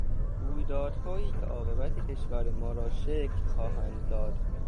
رویدادهایی که عاقبت کشور ما را شکل خواهند داد